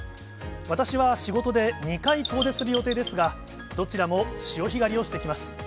私は仕事で２回、遠出する予定ですが、どちらも潮干狩りをしてきます。